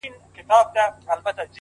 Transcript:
هغه لغړې